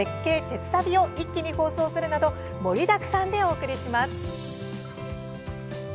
てつたび」を一気に放送するなど盛りだくさんでお送りします。